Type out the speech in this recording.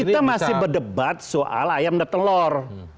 kita masih berdebat soal ayam dan telur